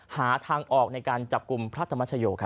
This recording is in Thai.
หาทางออกในการจับกลุ่มพระธรรมชโย